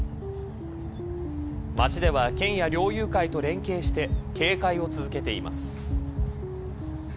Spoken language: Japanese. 町では県や猟友会と連携して警戒を続けています。